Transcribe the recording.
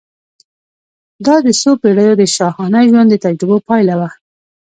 دا د څو پېړیو د شاهانه ژوند د تجربو پایله وه.